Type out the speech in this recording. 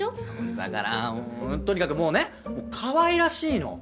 だからんんとにかくもうねかわいらしいの。